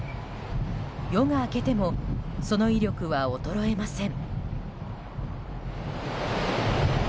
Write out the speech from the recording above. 夜が明けてもその威力は衰えません。